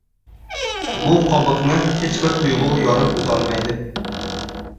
Bu qobiqni hech bir tuyg‘u yorib o‘tolmaydi.